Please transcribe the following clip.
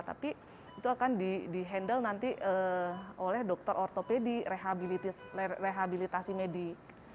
tapi itu akan di handle nanti oleh dokter ortopedi rehabilitasi medik